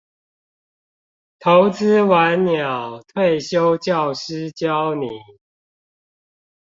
投資晚鳥退休教師教你